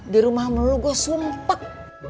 di rumah sama lo gue sumpah